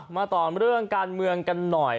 มาต่อเรื่องการเมืองกันหน่อย